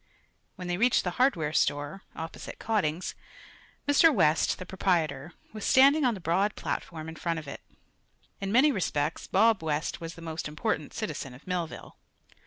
When they reached the hardware store, opposite Cotting's, Mr. West, the proprietor, was standing on the broad platform in front of it. In many respects Bob West was the most important citizen of Millville.